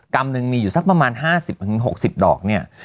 ำหนึ่งมีอยู่สักประมาณ๕๐๖๐ดอกเนี่ย